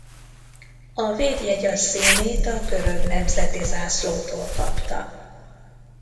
A védjegy a színét a görög nemzeti zászlótól kapta.